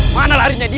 mana larinya dia